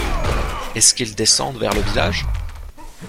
Est-ce qu’ils descendent vers le village?